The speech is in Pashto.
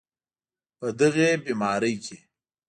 په دغې بیمارۍ کې